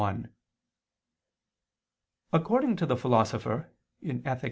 1: According to the Philosopher (Ethic.